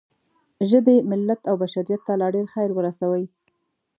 ژبې، ملت او بشریت ته لا ډېر خیر ورسوئ.